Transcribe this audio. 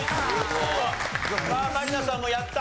満里奈さんもやった？